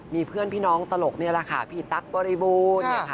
มีเพื่อนพี่น้องตลกนี่แหละค่ะพี่ตั๊กบริบูรณ์